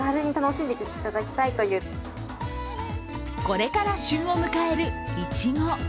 これから旬を迎えるいちご。